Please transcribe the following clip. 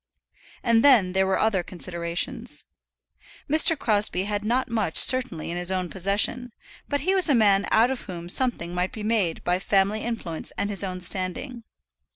And then there were other considerations. Mr. Crosbie had not much certainly in his own possession, but he was a man out of whom something might be made by family influence and his own standing.